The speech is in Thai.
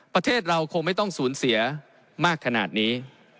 ประเทศเราคงไม่ต้องสูญเสียมากขนาดนี้